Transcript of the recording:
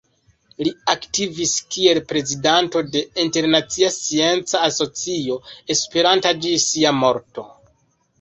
Li aktivis kiel prezidanto de Internacia Scienca Asocio Esperanta ĝis sia morto.